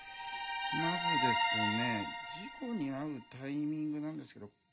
まずですね事故に遭うタイミングなんですけど。